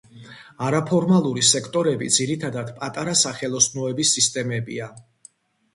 არაფორმალური სექტორები ძირითადად პატარა სახელოსნოების სისტემებია.